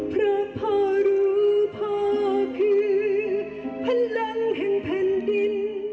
เพราะพ่อรู้พ่อคือ